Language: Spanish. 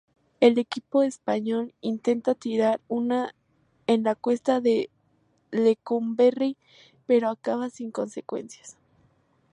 El equipo español intenta tirar en la cuesta de Lecumberri pero acaba sin consecuencias.